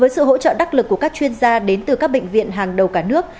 sự hỗ trợ đắc lực của các chuyên gia đến từ các bệnh viện hàng đầu cả nước